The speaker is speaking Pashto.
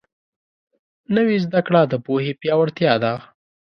نوې زده کړه د پوهې پیاوړتیا ده